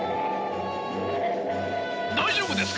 大丈夫ですか？